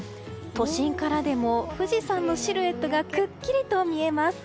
都心からでも富士山のシルエットがくっきりと見えます。